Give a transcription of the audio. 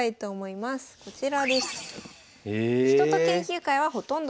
こちらです。